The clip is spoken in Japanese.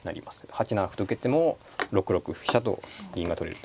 ８七歩と受けても６六飛車と銀が取れると。